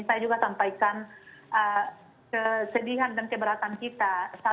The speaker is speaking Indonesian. saya juga sampaikan kesedihan dan keberatan kita